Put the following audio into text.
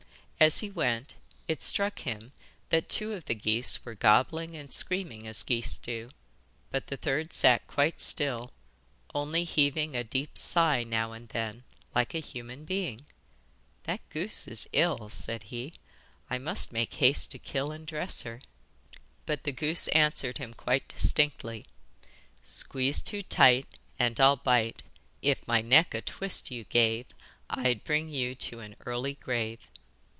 As he went, it struck him that two of the geese were gobbling and screaming as geese do, but the third sat quite still, only heaving a deep sigh now and then, like a human being. 'That goose is ill,' said he; 'I must make haste to kill and dress her.' But the goose answered him quite distinctly: 'Squeeze too tight And I'll bite, If my neck a twist you gave I'd bring you to an early grave.